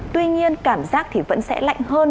tuy nhiên cảm giác thì vẫn sẽ lạnh hơn